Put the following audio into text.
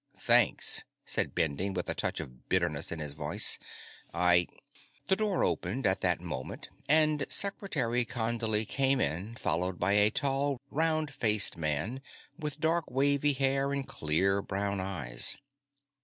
"Thanks," said Bending, with a touch of bitterness in his voice. "I " The door opened at that moment, and Secretary Condley came in followed by a tall, round faced man with dark wavy hair and clear brown eyes.